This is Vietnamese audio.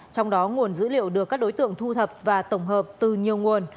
trong đó nguồn dữ liệu được các đối tượng thu thập và tổng hợp từ nhiều nguồn